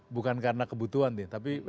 bukan karena kebutuhan nih tapi